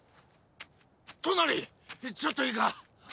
トナリちょっといいか？